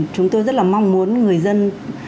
chúng tôi rất là mong muốn người dân